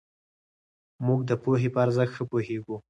موږ د پوهې په ارزښت ښه پوهېږو.